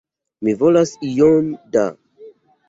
Mi volas iom da!